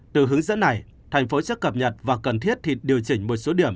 từ hướng dẫn này thành phố sẽ cập nhật và cần thiết thì điều chỉnh một số điểm